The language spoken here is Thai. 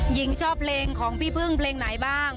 หญิงชอบเพลงของพี่พึ่งเพลงไหนบ้าง